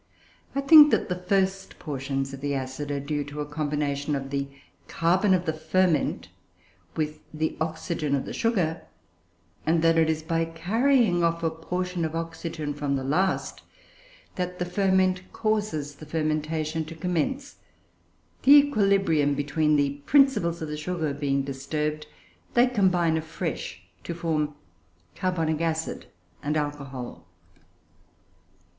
I think that the first portions of the acid are due to a combination of the carbon of the ferment with the oxygen of the sugar, and that it is by carrying off a portion of oxygen from the last that the ferment causes the fermentation to commence the equilibrium between the principles of the sugar being disturbed, they combine afresh to form carbonic acid and alcohol."